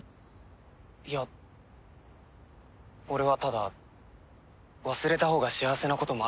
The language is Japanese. いや俺はただ忘れたほうが幸せなこともあると思って。